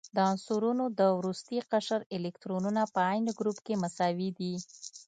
د عنصرونو د وروستي قشر الکترونونه په عین ګروپ کې مساوي دي.